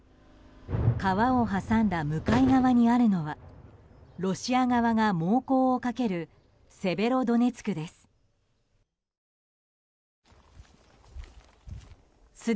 川を挟んだ向かい側にあるのはロシア側が猛攻をかけるセベロドネツクです。